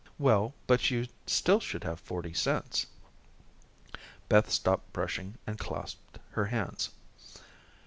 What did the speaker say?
"Well, but you still should have forty cents." Beth stopped brushing and clasped her hands.